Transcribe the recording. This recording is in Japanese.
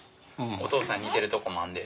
お父さん似てるとこもあんで。